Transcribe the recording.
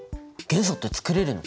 元素って作れるの？